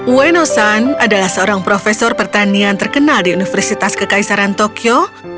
ueno san adalah seorang profesor pertanian terkenal di universitas kekaisaran tokyo